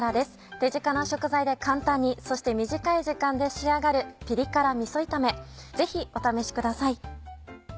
手近な食材で簡単にそして短い時間で仕上がるピリ辛みそ炒めぜひお試しください。